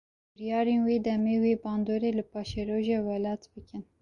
Biryarên vê demê, wê bandorê li paşeroja welêt bikin